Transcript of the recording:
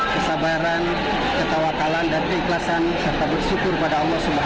kesabaran ketawakalan dan keikhlasan serta bersyukur kepada allah subhanahu wa ta ala bahwa